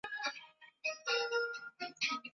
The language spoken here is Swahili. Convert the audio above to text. wakasahau kile walichotumwa wakafanya cha kuwa wao